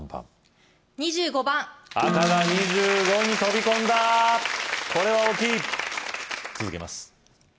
２５番赤が２５に飛び込んだこれは大きい続けます